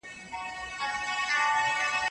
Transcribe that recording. کورني تدابیر مرسته کولای شي.